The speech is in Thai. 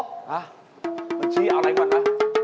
ตัวชี้เอาไรก่อนนะ